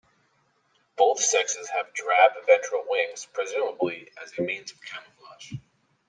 Both sexes have drab ventral wings, presumably as a means of camouflage.